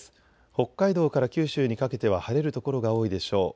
北海道から九州にかけては晴れる所が多いでしょう。